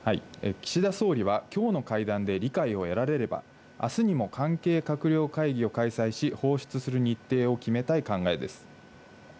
岸田総理はきょうの会談で理解を得られれば、あすにも関係閣僚会議を開催し、放出する日程を決めたい考えです。